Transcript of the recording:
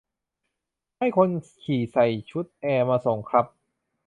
ให้คนขี่ใส่ชุดแอร์มาส่งครับ